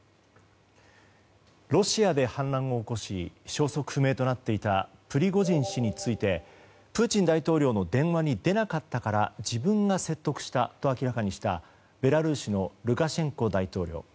ロシアで反乱を起こし消息不明となっていたプリゴジン氏についてプーチン大統領の電話に出なかったから自分が説得したと明らかにしたベラルーシのルカシェンコ大統領。